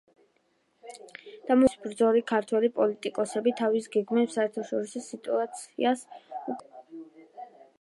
დამოუკიდებლობისათვის მებრძოლი ქართველი პოლიტიკოსები თავის გეგმებს საერთაშორისო სიტუაციას უკავშირებდნენ.